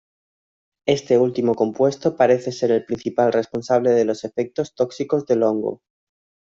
Este último compuesto parece ser el principal responsable de los efectos tóxicos del hongo.